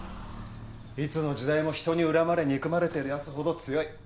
いつの時代も人に恨まれ憎まれてる奴ほど強い。